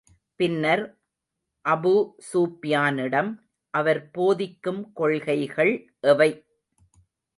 பின்னர் அபூ ஸுப்யானிடம், அவர் போதிக்கும் கொள்கைகள் எவை?